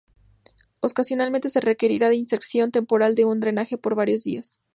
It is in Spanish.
Ocasionalmente se requerirá la inserción temporal de un drenaje por varios días.